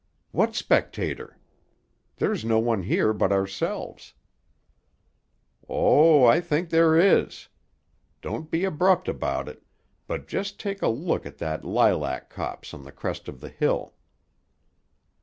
"What spectator? There's no one here, but ourselves." "Oh, I think there is. Don't be abrupt about it; but just take a look at that lilac copse on the crest of the hill."